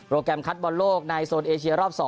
แกรมคัดบอลโลกในโซนเอเชียรอบ๒